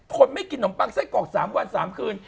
คนไม่กินนมปังไส้กรอก๓วัน๓คืน